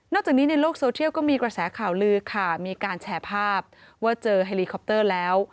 จากนี้ในโลกโซเทียลก็มีกระแสข่าวลือค่ะมีการแชร์ภาพว่าเจอเฮลีคอปเตอร์แล้ว